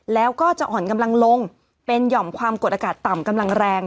แล้วก็จะอ่อนกำลังลงเป็นหย่อมความกดอากาศต่ำกำลังแรง